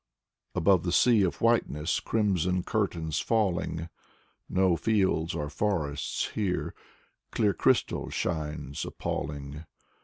Above the sea of whiteness, crimson curtains falling; No fields or forests here, clear crystal shines appalling.